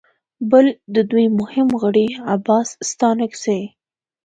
بل د دوی مهم غړي عباس ستانکزي